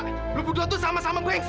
kalian berdua tuh sama sama gue